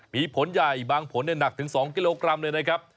มีผลใหญ่บางผลหนักถึง๒กิโลกรัมเลยนะครับ